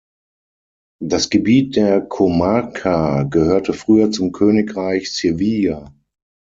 Das Gebiet der Comarca gehörte früher zum Königreich Sevilla.